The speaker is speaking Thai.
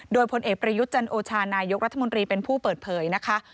โดยพลเอกประยุทธ์จันโอชานายกรัฐมนตรีเป็นผู้เปิดเผยนะคะ